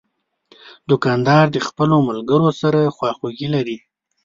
دوکاندار د خپلو ملګرو سره خواخوږي لري.